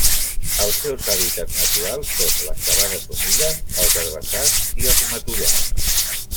Els seus hàbitats naturals són les sabanes humides, els herbassars i els matollars.